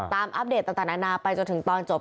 อัปเดตต่างนานาไปจนถึงตอนจบ